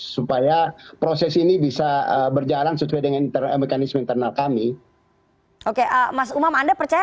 supaya proses ini bisa berjalan sesuai dengan mekanisme internal kami oke mas umam anda percaya